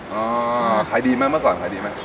โอ้ออออขายดีไหมเมื่อก่อนขายดีไหม